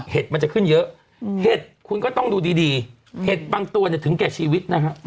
แห่ดบางตัวถึงแก่ชีวิตนะคะ